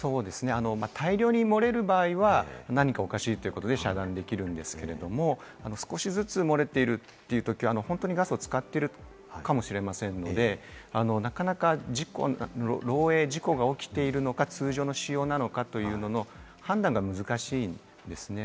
大量に漏れる場合は何かおかしいということで、遮断できるんですけれども、少しずつ漏れているというときは、ガスを使っているかもしれませんので、なかなか漏えい事故が起きているのか、通常の仕様なのかというものの判断が難しいんですね。